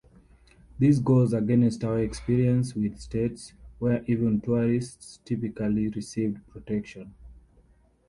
This goes against our experience with states, where even tourists typically receive protection.